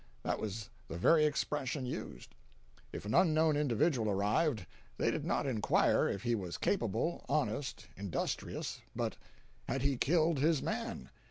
That was the very expression used. If an unknown individual arrived, they did not inquire if he was capable, honest, industrious, but—had he killed his man?